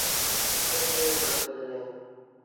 سترګي یې وپړسېدلې